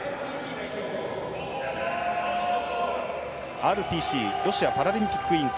ＲＰＣ＝ロシアパラリンピック委員会